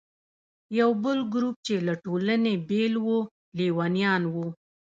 یو بل ګروپ چې له ټولنې بېل و، لیونیان وو.